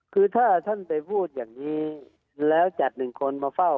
คือถ้าท่านไปพูดอย่างนี้แล้วจัดหนึ่งคนมาเฝ้า